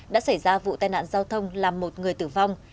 đã xảy ra vụ tai nạn giao thông làm một người tử vong